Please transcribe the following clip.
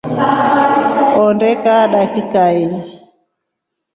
Ondee kaa dakikai.